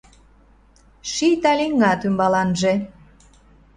Ший талиҥгат ӱмбаланже